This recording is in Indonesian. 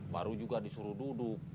baru juga disuruh duduk